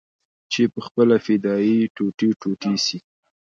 چې پخپله فدايي ټوټې ټوټې سي.